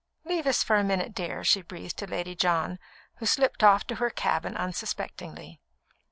"Leave us for a minute, dear," she breathed to Lady John, who slipped off to her cabin unsuspectingly.